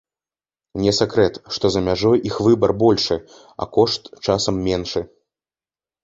Не сакрэт, што за мяжой іх выбар большы, а кошт часам меншы.